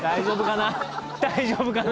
大丈夫かな？